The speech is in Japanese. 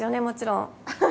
もちろん。